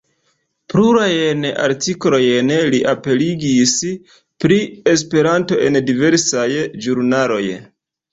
Plurajn artikolojn li aperigis pri Esperanto en diversaj ĵurnaloj.